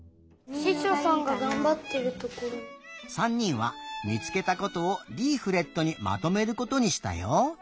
３にんはみつけたことをリーフレットにまとめることにしたよ。